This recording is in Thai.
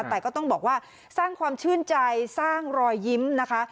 แต่ก็ต้องบอกว่าสร้างความชื่นใจสร้างรอยยิ้มนะคะ